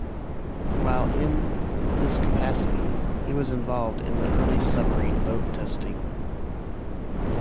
While in this capacity, he was involved in early submarine boat testing.